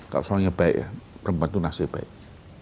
kalau soalnya baik ya perempuan itu nasib baik